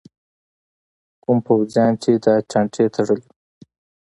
کوم پوځیان چې دا چانټې تړلي وو.